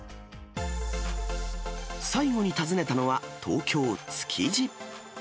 最後に訪ねたのは、東京・築地。